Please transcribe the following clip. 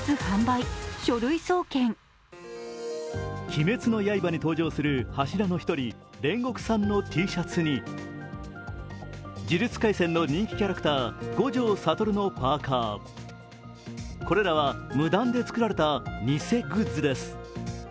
「鬼滅の刃」に登場する柱の１人煉獄さんのＴシャツに「呪術廻戦」の人気キャラクター、五条悟のパーカー、これらは無断で作られた偽グッズです。